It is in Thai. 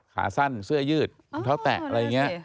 ขาสั้นเสื้อยืดรองเท้าแตะอะไรอย่างนี้